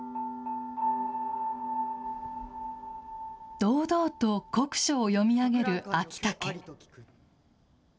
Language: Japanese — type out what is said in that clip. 堂々と国書を読み上げる昭武。